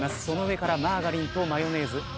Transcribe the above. その上からマーガリンとマヨネーズ。